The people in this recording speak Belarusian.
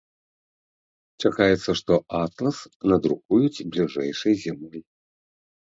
Чакаецца, што атлас надрукуюць бліжэйшай зімой.